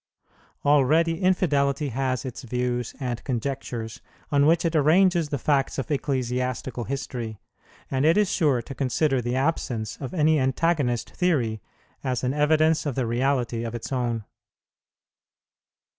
Already infidelity has its views and conjectures, on which it arranges the facts of ecclesiastical history; and it is sure to consider the absence of any antagonist theory as an evidence of the reality of its own.